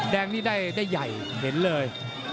แดงนี่ได้ใหญ่เห็นเลย